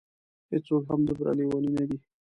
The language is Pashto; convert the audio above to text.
هېڅوک هم دومره لېوني نه دي.